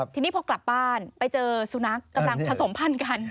ทีนี้พอกลับบ้านไปเจอสุนัขกำลังผสมพันธุ์กัน